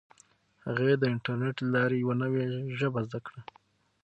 هغې د انټرنیټ له لارې یوه نوي ژبه زده کړه.